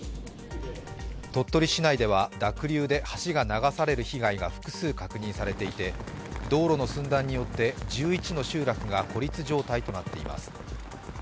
鳥取市内では濁流で橋が流される被害が複数確認されていて道路の寸断によって１１の集落が孤立状態となっています。